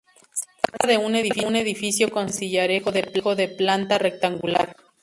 Se trata de un edificio construido en sillarejo de planta rectangular.